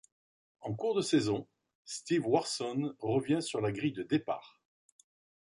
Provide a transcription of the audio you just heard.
En cours de saison, Steve Warson revient sur la grille de départ.